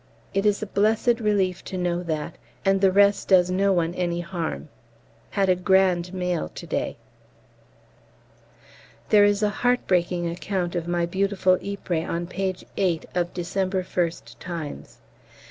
It is a blessed relief to know that, and the rest does no one any harm. Had a grand mail to day. There is a heart breaking account of my beautiful Ypres on page 8 of December 1st 'Times.'